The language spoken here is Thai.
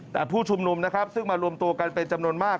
แต่ผู้ชุมนุมนะครับซึ่งมารวมตัวกันเป็นจำนวนมาก